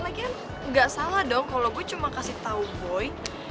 lagian gak salah dong kalo gue cuma kasih tau boy